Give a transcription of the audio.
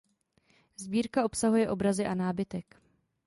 Sbírka obsahuje obrazy a nábytek.